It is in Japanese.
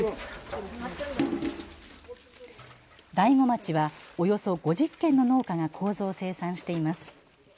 大子町はおよそ５０軒の農家がこうぞを生産しています。